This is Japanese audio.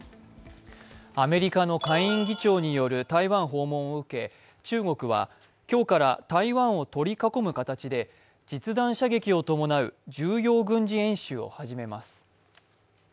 アメリカの下院議長による台湾訪問を受け中国は今日から台湾を取り囲む形で実弾射撃を伴う重要軍事演習を始めます。